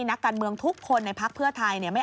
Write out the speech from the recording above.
นักการเมืองทุกคนในพักเพื่อไทย